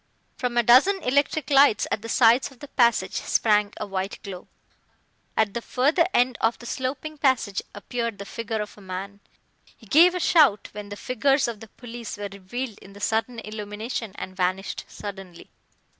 From a dozen electric lights at the sides of the passage sprang a white glow. At the further end of the sloping passage appeared the figure of a man. He gave a shout when the figures of the police were revealed in the sudden illumination and vanished suddenly.